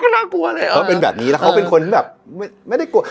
น่ากลัวเลยเหรอเขาเป็นแบบนี้แล้วเขาเป็นคนที่แบบไม่ได้กลัว